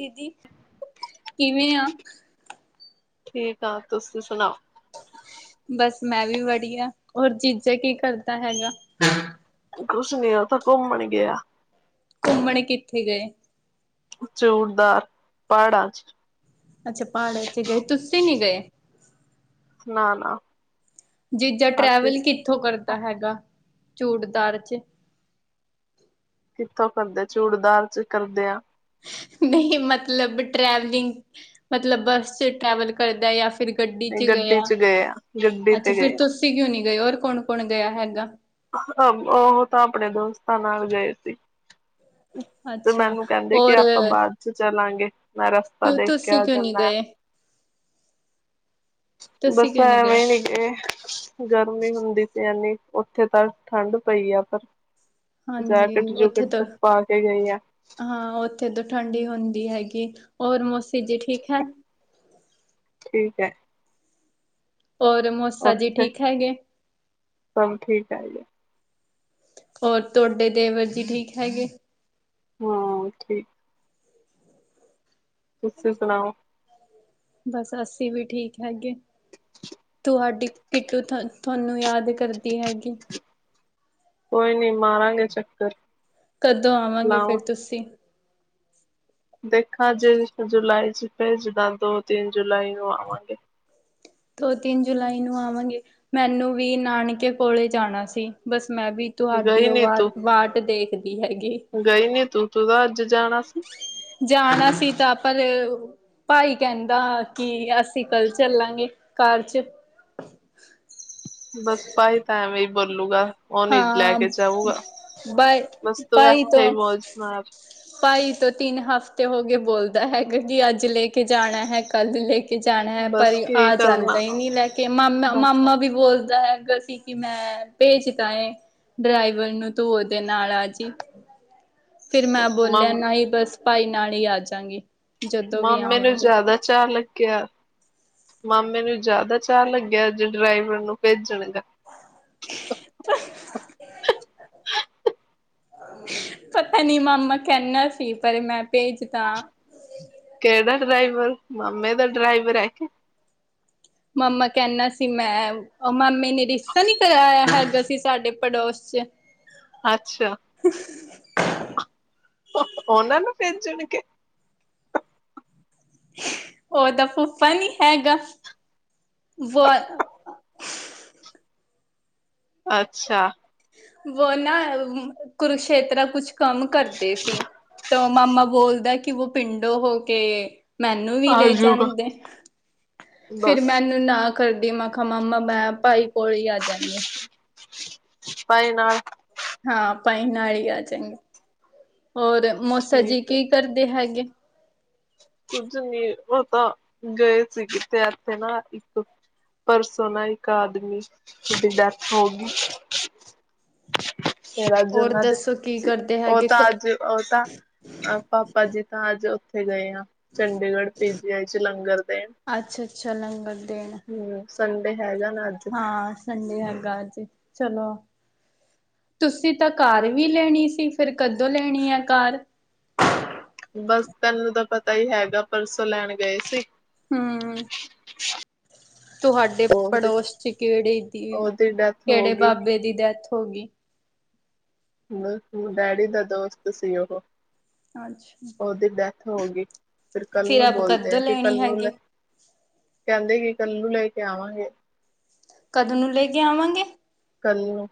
ਦੀਦੀ ਕਿਵੇਂ ਆ? ਠੀਕ ਆਂ ਤੁਸੀ ਸੁਣਾਓ? ਬਸ ਮੈਂ ਵੀ ਵੜੀਆ। ਹੋਰ ਜੀਜਾ ਕੀ ਕਰਦਾ ਹੈਗਾ? ਕੁਛ ਨੀ ਓ ਤਾਂ ਘੁੰਮਣ ਗਿਆ। ਘੁੰਮਣ ਕਿੱਥੇ ਗਏ? ਜੋੜਦਾਰ ਪਾੜਾਂ ਚ। ਅੱਛਾ ਪਾੜਾਂ ਚ ਗਏ। ਤੁਸੀ ਨੀ ਗਏ? ਨਾ ਨਾ। ਜੀਜਾ ਅਸੀਂ ਟਰੈਵਲ ਕਿੱਥੋਂ ਕਰਦਾ ਹੈਗਾ? ਚੂੜਦਾਰ ਚ। ਕਿੱਥੋਂ ਕਰਦੇ ਚੂੜਦਾਰ ਚ ਕਰਦੇ ਆ। ਨਈ ਮਤਲਬ ਟਰੈਵਲਿੰਗ ਮਤਲਬ ਬੱਸ ਚ ਟਰੈਵਲ ਕਰਦਾ ਯਾਂ ਫ ਫਿਰ ਗੱਡੀ ਚ ਗਿਆ। ਗਏ ਆ ਗੱਡੀ ਅੱਛਾ ਤੇ ਫਿਰ ਗਏ ਤੁਸੀ ਕਿਉਂ ਨੀ ਗਏ? ਹੋਰ ਕੌਣ ਕੌਣ ਗਿਆ ਹੈਗਾ? ਓਹ ਤਾਂ ਅਪਣੇ ਦੋਸਤਾਂ ਨਾਲ ਗਏ ਸੀ। ਤੇ ਅੱਛਾ ਮੈਨੂੰ ਕਹਿੰਦੇ ਕਿ ਔਰ ਆਪਾਂ ਬਾਦ ਚ ਚਲਾਂਗੇ। ਮੈਂ ਰਸਤਾ ਕਿਉਂ ਦੇਖ ਕੇ ਤੁਸੀਂ ਆ ਕਿਉਂ ਨਹੀਂ ਜਾਂਦਾ ਐ। ਗਏ? ਤੁਸੀਂ ਬਸ ਕਿਉਂ ਨਹੀਂ ਗਏ? ਐਵੇਂ ਨੀ ਗੇ। ਗਰਮੀ ਹੁੰਦੀ ਸੀ ਏਨੀ। ਓਥੇ ਤਾਂ ਠੰਢ ਪਈ ਆ ਪਰ। ਹਾਂਜੀ ਜੈਕਟ ਉੱਥੇ ਤਾਂ ਜੂਕਟ ਪਾ ਕੇ ਗਏ ਆ। ਹਾਂ ਓਥੇ ਤ ਠੰਡੀ ਹੁੰਦੀ ਹੈਗੀ। ਔਰ ਮੋਸੀ ਜੀ ਠੀਕ ਹੈ। ਠੀਕ ਐ। ਔਰ ਮੋਸਾ ਜੀ ਉੱਥੇ ਠੀਕ ਹੈਗੇ? ਸਭ ਠੀਕ ਹੈਗੇ। ਔਰ ਤੁਹਾਡੇ ਦੇਵਰ ਜੀ ਠੀਕ ਹੈਗੇ? ਹਾਂ ਠੀਕ। ਤੁਸੀ ਸੁਣਾਓ। ਬਸ ਅੱਸੀ ਵੀ ਠੀਕ ਹੈਗੇ। ਤੁਹਾਡੀ ਕਿੱਟੂ ਥੋਨੂੰ ਯਾਦ ਕਰਦੀ ਹੈਗੀ। ਕੋਈ ਨੀ ਮਾਰਾਂਗੇ ਚੱਕਰ। ਕਦੋਂ ਆਵਾਂਗੇ ਫੇਰ ਲਾਓ ਤੁਸੀ? ਦੇਖਾਂ ਜੇ ਜੁਲਾਈ ਚ ਭੇਜਦਾ ਦੋ ਤਿੰਨ ਜੁਲਾਈ ਨੂੰ ਆਵਾਂਗੇ। ਦੋ ਤਿੰਨ ਜੁਲਾਈ ਨੂੰ ਆਵਾਂਗੇ। ਮੈਨੂੰ ਵੀ ਨਾਨਕੇ ਕੋਲੇ ਜਾਣਾ ਸੀ। ਬਸ ਮੈਂ ਵੀ ਤੁਹਾਡੀ ਗਈ ਓ ਨੀ ਵਾ ਤੂੰ ਵਾਟ ਦੇਖਦੀ ਹੈਗੀ। ਗਈ ਨੀ ਤੂੰ। ਤੂੰ ਤਾਂ ਅੱਜ ਜਾਣਾ ਸ ਜਾਣਾ ਸੀ ਤਾ ਆਪਾ ਦੇ ਭਾਈ ਕਹਿੰਦਾ ਕਿ ਅਸੀ ਕੱਲ ਚੱਲਾਂਗੇ ਕਾਰ ਚ। ਬਸ ਭਾਈ ਤਾਂ ਐਵੇਂ ਈ ਬੋਲੂਗਾ। ਓ ਨੀ ਲੈ ਹਾਂ ਕੇ ਜਾਊਗਾ। ਬਾਈ ਬਸ ਤੂ ਭਾਈ ਐਥੇ ਤੋਂ ਈ ਮੌਜ ਮਾਰ। ਭਾਈ ਤ ਤਿੰਨ ਹਫ਼ਤੇ ਹੋਗੇ ਬੋਲਦਾ ਹੈਗਾ ਕੀ ਅੱਜ ਲੇਕੇ ਜਾਣਾ ਹੈ ਕੱਲ ਲੇਕ ਕੇ ਜਾਣਾ ਹੈ ਪਰ ਬਸ ਕੀ ਆ ਜਾਂਦਾ ਕਰਨਾ ਈ ਨੀ ਲੈ ਕੇ। ਮਾਮਾ ਬਸ ਮਾਮਾ ਵੀ ਬੋਲਦਾ ਹੈਗਾ ਸੀ। ਕਿ ਮੈਂ ਭੇਜਦਾ ਐਂ ਡਰਾਈਵਰ ਨੂੰ। ਤੂ ਔਦੇ ਨਾਲ ਆਜੀ। ਫਿਰ ਮੈਂ ਬੋਲਿਆ ਮਾਮੇ ਨਾ ਹੀ ਬਸ ਭਾਈ ਨਾਲ ਈ ਆ ਜਾਗੀ ਮਾਮੇ ਨੂੰ ਜਾਦਾ ਚਾਅ ਲੱਗਿਆ। ਮਾਮੇ ਨੂੰ ਜਾਦਾ ਚਾਅ ਲੱਗੇਆ ਜੋ ਡਰਾਈਵਰ ਨੂੰ ਭੇਜਣ ਗਾ। [unintelligible] ਪਤਾ ਨੀ ਮਾਮਾ ਕਹਿੰਦਾ ਸੀ ਪਰ ਮੈਂ ਭੇਜਦਾ। ਕੇੜਾ ਡਰਾਈਵਰ ਮਾਮੇ ਦਾ ਡਰਾਈਵਰ ਐ ਕੇ? ਮਾਮਾ ਕੈਨਾ ਸੀ ਮੈਂ ਓ ਮਾਮੇ ਨੇ ਰਿਸ਼ਤਾ ਨੀ ਕਰਾਇਆ ਹੈਗਾ ਸੀ ਸਾਡੇ ਪੜੋਸ ਚ। ਅੱਛਾ ਉਹਨਾਂ ਨੂੰ ਭੇਜਣ ਕੇ ਉਹ ਦਾ ਫੁਫਾ ਨੀ ਹੈਗਾ ਫ ਅੱਛਾ ਵੋ ਨਾ ਕੁਰਸ਼ੇਤਰਾ ਕੁਛ ਕੰਮ ਕਰਦੇ ਸੀ ਤੋ ਮਾਮਾ ਬੋਲਦਾ ਐ ਕਿ ਵੋ ਪਿੰਡੋ ਹੋ ਕੇ ਮੈਨੂੰ ਵੀ ਲੇ ਆਜੂਗਾ ਜਾਂਦੇ। ਫਿਰ ਬਸ ਮੈਨੂੰ ਨਾ ਕਰਦੀ। ਮੈਂ ਖਾ ਮਾਮਾ ਮੈਂ ਭਾਈ ਕੋਲ ਈ ਆ ਜਾਨੀ ਆ। ਭਾਈ ਨਾਲ ਹਾਂ, ਭਾਈ ਨਾਲ ਈ ਆ ਜਾਂਗੇ। ਹੋਰ ਮੋਸਾ ਜੀ ਠੀਕ ਹੈ ਕੀ ਕਰਦੇ ਹੈਗੇ? ਕੁੱਝ ਨੀ ਔ ਤਾਂ ਗਏ ਸੀ ਕਿਤੇ ਐਥੇ ਨਾ ਇੱਕ ਪਰਸੋ ਨਾ ਇੱਕ ਆਦਮੀ ਦੀ ਡੈਥ ਹੋਗੀ। ਫੇਰ ਅੱਜ ਔਰ ਓਨਾਂ ਦੇ ਦੱਸੋ ਕੀ ਸੀ। ਕਰਦੇ ਓ ਹੈਗੇ ਤਾਂ ਕ ਅੱਜ ਓ ਤਾਂ ਪਾਪਾ ਜੀ ਤਾਂ ਅੱਜ ਓਥੇ ਗਏ ਆ। ਚੰਡੀਗੜ, ਪੀ ਜੀ ਆਈ ਚ ਲੰਗਰ ਦੇਣ। ਅੱਛਾ ਅੱਛਾ ਲੰਗਰ ਦੇਣ। ਹੂੰ। ਸੰਡੇ ਹੈਗਾ ਨਾ ਅੱਜ ਹਾਂ, ਸੰਡੇ ਹੈਗਾ ਅੱਜ। ਚਲੋ ਤੁਸੀ ਤਾਂ ਕਾਰ ਵੀ ਲੈਣੀ ਸੀ। ਫਿਰ ਕਦੋਂ ਲੈਣੀ ਐ ਕਾਰ? ਬਸ, ਤੈਨੂੰ ਤਾਂ ਪਤਾ ਈ ਹੈਗਾ ਪਰਸੋਂ ਲੈਣ ਗਏ ਸੀ। ਹੂੰ। ਤੁਹਾਡੇ ਉਹਦੀ ਪੜੋਸ ਚ ਕੇੜੇ ਦੀ, ਉਹਦੀ ਡੈਥ ਹੋ ਕੇੜੇ ਗਈ ਬਾਬੇ ਦੀ ਡੈਥ ਹੋਗੀ। ਬ ਡੈਡੀ ਦਾ ਦੋਸਤ ਸੀ ਓਹ। ਅੱਛਾ। ਔਦੀ ਡੈਥ ਹੋਗੀ। ਫਿਰ ਕੱਲ ਫਿਰ ਨੂੰ ਅਬ ਬੋਲਦੇ ਕਦੋਂ ਐ ਕਿ ਲੈਣੀ ਕੱਲ ਨੂੰ ਲੈ ਹੈਗੀ, ਕੈਂਦੇ ਕਿ ਕੱਲ ਨੂੰ ਲੈ ਕੇ ਆਵਾਂਗੇ। ਕਦ ਨੂੰ ਲੇ ਕੇ ਆਵਾਂਗੇ? ਕਲ ਨੂੰ।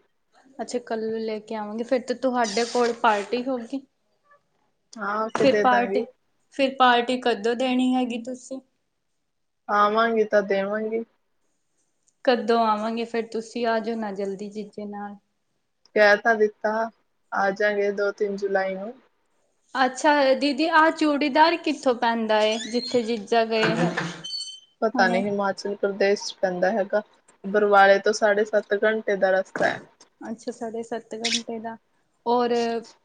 ਅੱਛਾ, ਕੱਲ ਨੂੰ ਲੇ ਕੇ ਆਵਾਂਗੇ ਫੇਰ ਤੇ ਤੁਹਾਡੇ ਕੋਲ ਪਾਰਟੀ ਹੋਗੀ। ਆ ਕੇ ਫਿਰ ਦੇ ਦਾਂਗੀ ਪਾਰਟੀ ਫਿਰ ਪਾਰਟੀ ਕਦੋਂ ਦੇਣੀ ਹੈਗੀ ਤੁਸੀ? ਆਵਾਂਗੀ ਤਾਂ ਦੇਵਾਂਗੀ। ਕਦੋਂ ਆਵਾਂਗੇ? ਫੇਰ ਤੁਸੀ ਆ ਜਓ ਨਾ ਜਲਦੀ ਜੀਜੇ ਨਾਲ ਕੈ ਤਾ ਦਿੱਤਾ ਆ ਜਾਂਗੇ ਦੋ ਤਿੰਨ ਜੁਲਾਈ ਨੂੰ ਅੱਛਾ। ਦੀਦੀ ਆਹ ਚੂੜੀਦਾਰ ਕਿੱਥੋਂ ਪੈਂਦਾ ਏ ਜਿੱਥੇ ਜੀਜਾ ਗਏ। ਪਤਾ ਨੀ ਹੁਣੇ? ਹਿਮਾਚਲ ਪ੍ਰਦੇਸ ਪੈਂਦਾ ਹੈਗਾ। ਬਰਵਾਲੇ ਤੋਂ ਸਾਢੇ ਸੱਤ ਘੰਟੇ ਦਾ ਰਸਤਾ ਐ। ਅੱਛਾ। ਸਾਢੇ ਸੱਤ ਘੰਟੇ ਦਾ। ਔਰ,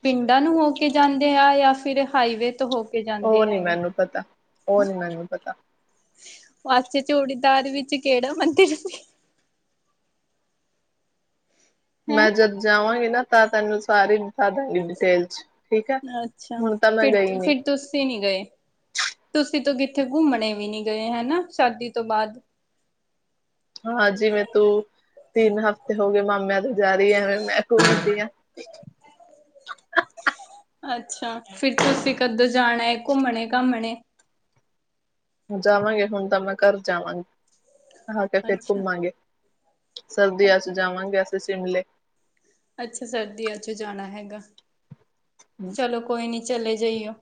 ਪਿੰਡਾਂ ਨੂੰ ਹੋ ਕੇ ਜਾਂਦੇ ਆ ਯਾ ਫਿਰ ਹਾਈਵੇ ਤੋਂ ਹੋ ਕੇ ਓ ਜਾਂਦੇ ਨੀ ਹੈਗੇ। ਮੈਨੂੰ ਪਤਾ। ਓ ਨੀ ਮੈਨੂੰ ਪਤਾ। ਵਾਸੇ ਚੂੜੀਦਾਰ ਵਿੱਚ ਕੇੜਾ ਮੰਦਿਰ ਹੈਂ। ਮੈਂ ਜਦ ਜਾਵਾਂਗੀ ਨਾ ਤਾਂ ਤੈਨੂੰ ਸਾਰੀ ਪਾ ਦਾਂਗੀ ਡਿਟੇਲ ਚ, ਠੀਕ ਐ। ਹੁਣ ਤਾ ਮੈਂ ਗਈ ਨੀ। ਤੁਸੀ ਨੀ ਗਏ। ਤੁਸੀ ਤੋ ਕਿੱਥੇ ਘੁੰਮਣੇ ਵੀ ਨੀ ਗਏ। ਹਨਾ ਸ਼ਾਦੀ ਤੋਂ ਬਾਦ। ਹਾਂ। ਜਿਵੇਂ ਤੂੰ ਤਿੰਨ ਹਫ਼ਤੇ ਹੋਗੇ ਮਾਮੇਆਂ ਦੇ ਜਾ ਰੀ ਐਵੇ ਮੈਂ ਘੁੰਮਦੀ ਆਂ। [unintelligible] ਅੱਛਾ। ਫਿਰ ਤੁਸੀ ਕਦੋਂ ਜਾਣਾ ਏ ਘੁੰਮਣੇ ਘਾਮਣੇ ਜਾਵਾਂਗੇ ਹੁਣ ਤਾਂ ਮੈਂ ਘਰ ਜਾਵਾਂਗੀ ਆ ਕੇ ਫੇਰ ਅੱਛਾ ਘੁੰਮਾਂਗੇ। ਸਰਦੀਆਂ 'ਚ ਅਸੀਂ ਜਾਵਾਂਗੇ ਸ਼ਿਮਲੇ ਅੱਛਾ ਸਰਦੀਆਂ 'ਚ ਜਾਣਾ ਹੈਗਾ ਚਲੋ ਕੋਈ ਨੀ ਚਲੇ ਜਾਈਓ।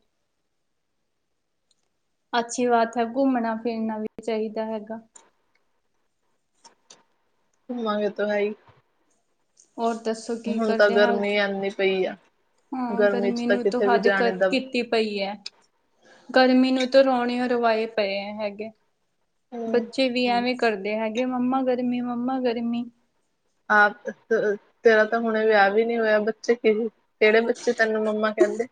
ਅੱਛੀ ਬਾਤ ਹੈ ਘੁੰਮਣਾ ਫਿਰਨਾ ਵੀ ਚਾਈਦਾ ਹੈਗਾ। ਘੁੰਮਾਂਗੇ ਤੋਂ ਹੈਈ। ਹੋਰ ਦੱਸੋ ਕੀ ਤਾਂ ਕਰਦੇ ਹਲ ਗਰਮੀ ਐਨੀ ਪਈ ਆ ਹਾਂ ਚ ਗਰਮੀ ਤਾਂ ਨੂੰ ਤੋ ਕਿਤੇ ਵੀ ਹੱਦ ਕ ਜਾਣੇ ਦਾ ਕੀਤੀ ਪਈ ਐ। ਗਰਮੀ ਨੂੰ ਤਾਂ ਰੋਣੇ ਰਵਾਏ ਪਏ ਹੈਗੇ। ਹੂੰ ਬੱਚੇ ਵੀ ਐਵੇਂ ਕਰਦੇ ਹੈਗੇ ਮੰਮਾ ਗਰਮੀ ਮੰਮਾ ਗਰਮੀ। ਆਪ ਤ ਤੇਰਾ ਤਾਂ ਹੁਣੇ ਵਿਆਹ ਵੀ ਨੀ ਹੋਇਆ ਬੱਚੇ ਕਿਹੜੇ ਕੇਹੜੇ ਬੱਚੇ ਤੈਨੂੰ ਮੰਮਾ ਕੈਂਦੇ?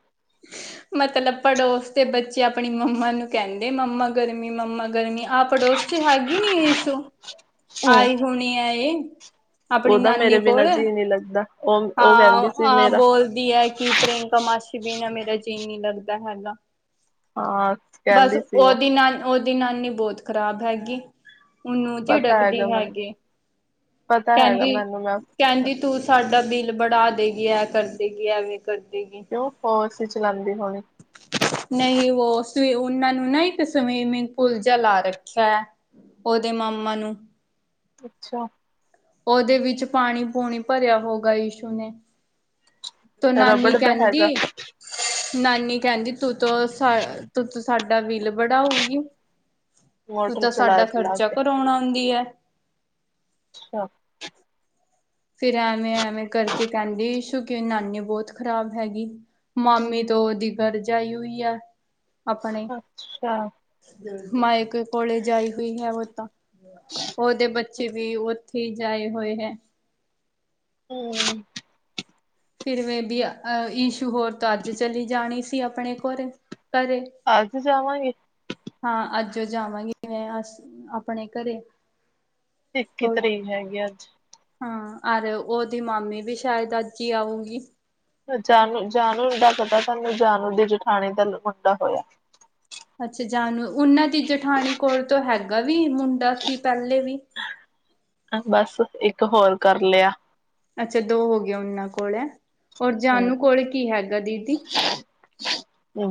ਮਤਲਬ ਪੜੋਸ ਦੇ ਬੱਚੇ ਆਪਣੀ ਮੰਮਾ ਨੂੰ ਕਹਿੰਦੇ ਮੰਮਾ ਗਰਮੀ ਮੰਮਾ ਗਰਮੀ। ਆ ਪੜੋਸ 'ਚ ਹੈਗੀ ਨੀ ਇਸ਼ੂ ਆਈ ਹੁਣੀ ਐ ਏ। ਆਪਣੀ ਉਹਦਾ ਮੇਰੇ ਨਾਨੀ ਬਿਨਾਂ ਕੋਲ ਜੀਅ ਨੀ ਲੱਗਦਾ ਉਹ ਉਹ ਕਹਿੰਦੀ ਸੀ ਹਾਂ-ਹਾਂ ਮੇਰਾ ਬੋਲਦੀ ਐ ਕੀ ਪ੍ਰਿਅੰਕਾ ਮਾਸੀ ਬਿਨਾ ਮੇਰਾ ਜੀ ਨੀ ਲੱਗਦਾ ਹੈਗਾ। ਹਾਂ ਬਸ ਕਹਿੰਦੀ ਸੀ ਉਹ ਓਹਦੀ ਨਾਲ ਓਹਦੀ ਨਾਨੀ ਬੋਤ ਖ਼ਰਾਬ ਹੈਗੀ ਉਹਨੂੰ ਪਤਾ ਹੈਗਾ ਝਿੜਕਦੀ ਮੈਨੂੰ ਹੈਗੀ। ਪਤਾ ਹੈਗਾ ਕਹਿੰਦੀ ਮੈਨੂੰ ਮੈਮ ਕਹਿੰਦੀ ਤੂੰ ਸਾਡਾ ਬਿੱਲ ਬੜਾ ਦੇਗੀ ਐ ਕਰ ਦੇਗੀ ਐਵੇਂ ਕਰ ਦੇਗੀ। ਓ ਪ ਏਸੀ ਚਲਾਉਂਦੇ ਹੋਣੇ। ਨਈ ਵੋ ਸ ਉਨਾਂ ਨੂੰ ਨਾ ਇੱਕ ਸਵੀਮਿੰਗ ਪੂਲ ਜਾ ਲਾ ਰੱਖਿਆ ਹੈ। ਓਹਦੇ ਮਾਮਾ ਨੂੰ। ਅੱਛਾ। ਓਹਦੇ ਵਿੱਚ ਪਾਣੀ ਪੂਣੀ ਭਰਿਆ ਹੋਗਾ ਇਸ਼ੂ ਨੇ। ਤੋਂ ਨਾਨੀ ਰਬੜ ਦਾ ਕੈਂਦੀ ਹੈਗਾ ਨਾਨੀ ਕਹਿੰਦੀ ਤੂੰ ਤੋ ਸਾ ਤੂੰ ਤੋ ਸਾਡਾ ਬਿਲ ਵੜਾਉਗੀ। ਤੂੰ ਮੋਟਰ ਤਾਂ ਚਲਾ ਸਾਡਾ ਚਲਾ ਖਰਚਾ ਕੇ ਕਰਾਉਣ ਆਉਂਦੀ ਐ। ਅੱਛਾ। ਫੇਰ ਐਵੇਂ ਐਵੇਂ ਕਰਕੇ ਕੈਂਦੀ ਇਸ਼ੂ ਕੀ ਨਾਨੀ ਬੋਤ ਖ਼ਰਾਬ ਹੈਗੀ। ਮਾਮੀ ਤੋ ਓਹਦੀ ਗਰ ਜਾਈ ਹੂਈ ਐ। ਆਪਣੇ ਅੱਛਾ ਮਾਇਕੇ ਕੋਲੇ ਜਾਈ ਹੋਈ ਹੈ ਵੋ ਤਾਂ। ਓਹਦੇ ਬੱਚੇ ਵੀ ਓਥੇ ਹੀ ਜਾਏ ਹੋਏ ਹੈ। ਹੂੰਮ ਫੇਰ ਵੇਬੀ ਅ ਇਸ਼ੂ ਹੋਰ ਤੋਂ ਅੱਜ ਚਲੀ ਜਾਣੀ ਸੀ ਆਪਣੇ ਕੋਰੇ ਘਰੇ। ਅੱਜ ਜਾਵਾਂਗੇ। ਹਾਂ ਅੱਜ ਓ ਜਾਵਾਂਗੀ ਮੈਂ ਅੱਜ ਆਪਣੇ ਘਰੇ। ਇੱਕੀ ਥੋੜੀ ਤਰੀਕ ਹੈਗੀ ਅੱਜ। ਹਾਂ ਅਰ ਓਹਦੀ ਮਾਮੀ ਵੀ ਸ਼ਾਇਦ ਅੱਜ ਹੀ ਆਊਗੀ। ਜਾਨੂ-ਜਾਨੂ ਦਾ ਪਤਾ ਤੁਹਾਨੂੰ ਜਾਨੂ ਦੀ ਜਠਾਣੀ ਦਾ ਪਕਾ ਪਤਾ ਅੱਛਾ ਜਾਨੂ ਉਨਾਂ ਦੀ ਜਠਾਣੀ ਕੋਲ ਤੋ ਹੈਗਾ ਵੀ ਮੁੰਡਾ ਸੀ ਪੈਲੇ ਵੀ। ਅ ਬਸ ਇੱਕ ਹੋਰ ਕਰ ਲਿਆ। ਅੱਛਾ ਦੋ ਹੋਗੇ ਓਹਨਾਂ ਕੋਲ ਹੈਂ ਔਰ ਹਮ ਜਾਨੂ ਕੋਲ ਕੀ ਹੈਗਾ ਦੀਦੀ?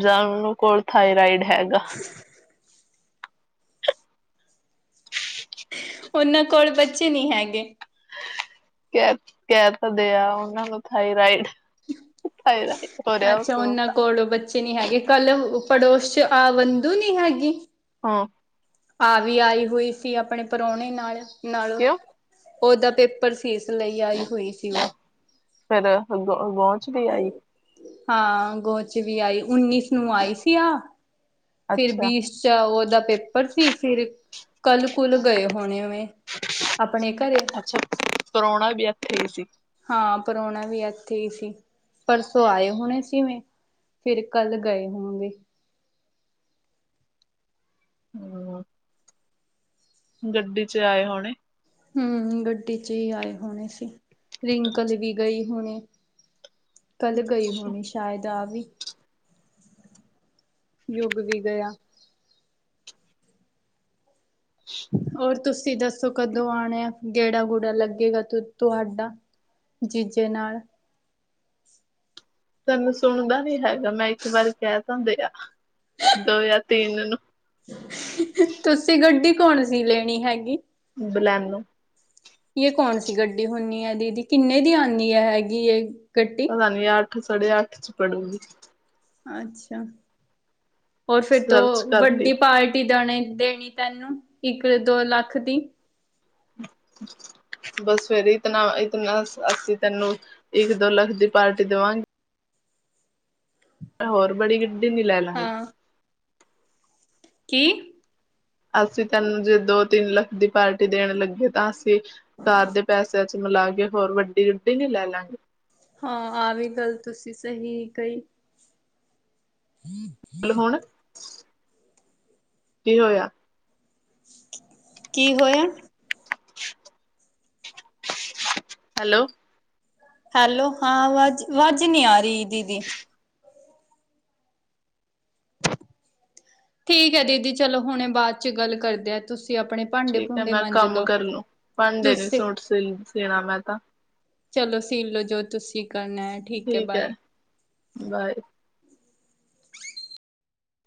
ਜਾਨੂੰ ਕੋਲ ਥਾਇਰਾਇਡ ਹੈਗਾ। [inaudible] ਓਹਨਾਂ ਕੋਲ ਬੱਚੇ ਨੀ ਹੈਗੇ। ਕੈ ਕੈ ਤਾਂ ਦਿਆ ਉਨਾਂ ਨੂੰ ਥਾਈਰਾਇਡ। ਥਾਇਰਾਇਡ ਹੋਰਿਆ ਉਸਨੂੰ ਤਾਂ। ਚੇ ਨੀ ਹੈਗੇ ਕੱਲ ਪੜੋਸ ਚ ਆਵੰਦੂ ਨੀ ਹੈਗੀ। ਹਾਂ। ਆ ਵੀ ਆਈ ਹੋਈ ਸੀ ਆਪਣੇ ਪ੍ਰੋਹਣੇ ਨਾਲ ਨਾਲ ਕਿਉਂ ਓਦਾ ਪੇਪ ਪਰ ਸੀ ਇਸ ਲਈ ਆਈ ਹੋਈ ਸੀ ਵਾ। ਫੇਰ ਗ ਗੋ ਗੋਚ ਤੇ ਆਈ। ਹਾਂ ਗੋਚ ਵੀ ਆਈ ਉੱਨੀਸ ਨੂੰ ਆਈ ਸੀ ਆਹ। ਫਿਰ ਅੱਛਾ ਬਿਸ ਚ ਉਹਦਾ ਪੇਪਰ ਸੀ, ਫਿਰ ਕੱਲ੍ਹ ਕੁਲ ਗਏ ਹੋਣੇ ਵੇ। ਅੱਛਾ, ਪ੍ਰੋਹਣਾ ਵੀ ਇੱਥੇ ਹੀ ਸੀ? ਹਾਂ ਪ੍ਰੋਹਣਾ ਵੀ ਇੱਥੇ ਹੀ ਸੀ ਪਰਸੋਂ ਆਏ ਹੋਣੇ ਸੀ ਵੇ। ਫਿਰ ਕੱਲ ਗਏ ਹੋਣਗੇ। ਹੂੰ, ਗੱਡੀ ਚ ਆਏ ਹੋਣੇ? ਹੂੰ, ਗੱਡੀ ਚ ਹੀ ਆਏ ਹੋਣੇ ਸੀ ਰਿੰਕਲ ਵੀ ਗਈ ਹੋਣੀ। ਕੱਲ੍ਹ ਗਈ ਹੋਣੀ ਸ਼ਾਇਦ। ਰਾਵੀ, ਯੁੱਗ ਵੀ ਗਿਆ। ਹੋਰ ਤੁਸੀਂ ਦੱਸੋ ਕਦੋਂ ਆਉਣੈ ਆ, ਗੇੜਾ-ਗੂੜਾ ਲੱਗੇਗਾ ਤੂ ਤੁਹਾਡਾ ਜੀਜੇ ਨਾਲ। ਤੈਨੂੰ ਸੁਣਦਾ ਨੀ ਹੈਗਾ ਮੈਂ ਇੱਕ ਵਾਰੀ ਕਹਿ ਤਾ ਦੇਯਾ ਦੋ ਜਾਂ ਤਿੰਨ ਨੂੰ। ਤੁਸੀਂ ਗੱਡੀ ਕੌਣ ਸੀ ਲੈਣੀ ਹੈਗੀ? ਬਲੈਨੋ। ਯੇਹ ਕੌਣ ਸੀ ਗੱਡੀ ਹੁੰਨੀ ਐ ਦੀਦੀ ਕਿੰਨੇ ਦੀ ਆਂਦੀ ਹੈਗੀ ਇਹ ਗੱਡ ਪਾਣੇ ਅੱਠ, ਸਾਢੇ ਅੱਠ ਚ ਪੜੂਗੀ। ਅੱਛਾ, ਹੋਰ ਫੇਰ ਸਰਚ ਤੋਂ ਕਰ ਲਈ ਵੱਡੀ ਪਾਰ ਟੀ ਦਾਣੇ ਦੇਣੀ ਤੈਨੂੰ, ਇੱਕ-ਦੋ ਲੱਖ ਦੀ। ਬਸ ਫੇਰ ਇਤਨਾ ਇਤਨਾ ਅਸੀ ਤੈਨੂੰ ਇੱਕ-ਦੋ ਲੱਖ ਦੀ ਪਾਰਟੀ ਦਵਾਂ ਹੋਰ ਬੜੀ ਗੱਡੀ ਨੀ ਲੈ ਲਾ ਗੇ। ਹਾਂ ਕੀ? ਅਸੀਂ ਤੈਨੂੰ ਜੇ ਦੋ-ਤਿੰਨ ਲੱਖ ਦੀ ਪਾਰਟੀ ਦੇਣ ਲੱਗੇ ਤਾਂ ਅਸੀਂ ਕਾਰ ਦੇ ਪੈਸੇ ਚ ਮਿਲਾ ਕੇ ਹੋਰ ਵੱਡੀ ਗੱਡੀ ਨੀ ਲੈ ਲਾਗੇ। ਹਾਂ ਆਹ ਵੀ ਗੱਲ ਤੁਸੀਂ ਸਹੀ ਕਹੀ। [inaudible] ਬੋਲ ਹੁਣ ਕੀ ਹੋਇਆ? ਕੀ ਹੋਇਆ? ਹੈਲੋ। ਹੈਲੋ, ‌ਹਾਂ ਵਜ ਵਾਜ ਨੀ ਆ ਰੀ। ਦੀਦੀ ਠੀਕ ਐ ਦੀਦੀ ਚਲੋ ਹੁਣੇ ਬਾਅਦ ਚ ਗੱਲ ਕਰਦੇ ਆ ਤੁਸੀਂ ਆਪਣੇ ਭਾਂਡੇ ਠੀਕ ਐ ਭੂੰਡੇ ਮੈਂ ਮੰਜ ਕੰਮ ਲਓ। ਕਰਲੂੰ ਭਾਂਡੇ ਨੀ ਤੁਸੀਂ ਸੂਟ ਸਿਲ ਸਿਣਾ ਮੈਂ ਤਾਂ। ਚਲੋ ਸੀਲ ਲੋ ਜੋ ਤੁਸੀਂ ਕਰਨੈ। ਠੀਕ ਐ, ਬਾਏ।